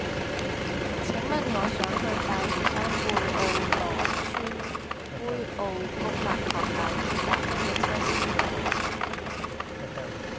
請問我想去大嶼山貝澳羅屋村杯澳公立學校要搭乜嘢車先去到